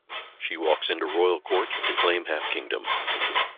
She walks into royal court, to claim half kingdom.